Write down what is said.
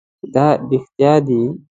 چې دا رښتیا دي .